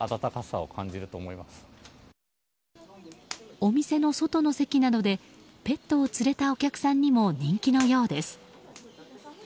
お店の外の席なのでペットを連れたお客さんにも人気のようです。